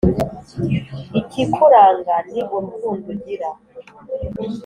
ikikuranga ni urukundo ugira